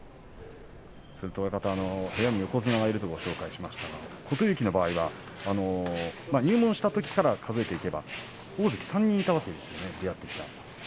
それと親方、部屋に横綱がいるとご紹介しましたが琴勇輝の場合は入門したときから数えていけば大関、３人もいたわけですよね